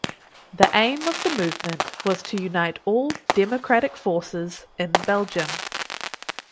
The aim of the movement was to unite all democratic forces in Belgium.